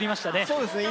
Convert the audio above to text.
そうですね。